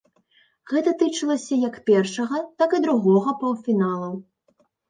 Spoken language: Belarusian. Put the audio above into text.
Гэта тычылася як першага, так і другога паўфіналаў.